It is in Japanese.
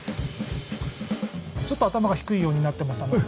ちょっと頭が低いようになってますので。